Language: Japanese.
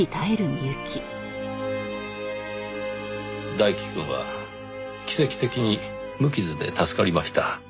大樹くんは奇跡的に無傷で助かりました。